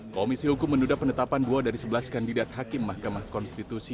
komisi hukum menduda penetapan dua dari sebelas kandidat hakim mahkamah konstitusi